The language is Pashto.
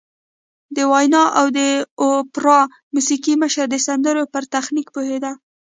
د ویانا د اوپرا موسیقي مشر د سندرو پر تخنیک پوهېده